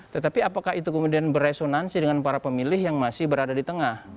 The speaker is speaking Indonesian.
tetapi apakah itu kemudian beresonansi dengan para pemilih yang masih berada di tengah